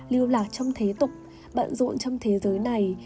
lưu lạc trong thế tục bận rộn trong thế giới này